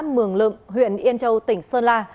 mường lượng huyện yên châu tỉnh sơn la